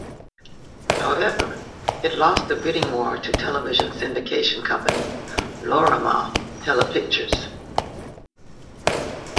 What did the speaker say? However, it lost a bidding war to television syndication company Lorimar-Telepictures.